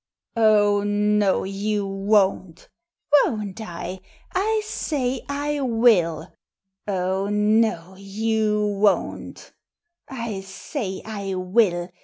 '* Oh, no, you won't" "Won't I? IsaylwiU!" " Oh, no, you won't" "I say I will!